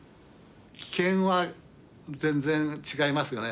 危険は全然違いますよね。